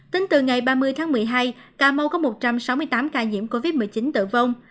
tính từ ngày ba mươi tháng một mươi hai cà mau có một trăm sáu mươi tám ca nhiễm covid một mươi chín tử vong